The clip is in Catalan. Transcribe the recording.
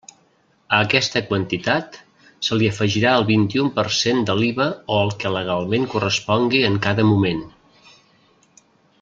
A aquesta quantitat se li afegirà el vint-i-un per cent de l'Iva o el que legalment correspongui en cada moment.